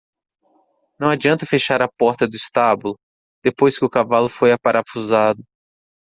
Não adianta fechar a porta do estábulo? depois que o cavalo foi aparafusado.